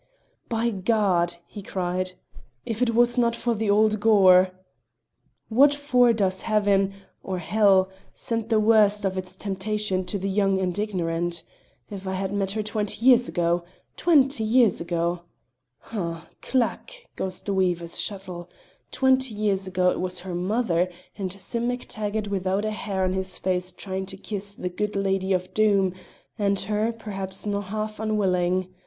"By God!" he cried. "If it was not for the old glaur! What for does heaven or hell send the worst of its temptations to the young and ignorant? If I had met her twenty years ago! Twenty years ago! H'm! 'Clack!' goes the weaver's shuttle! Twenty years ago it was her mother, and Sim MacTaggart without a hair on his face trying to kiss the good lady of Doom, and her, perhaps na' half unwilling.